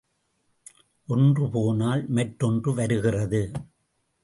ஒன்று போனால் மற்றொன்று வருகிறது.